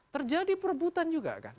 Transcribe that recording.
terjadi perebutan juga kan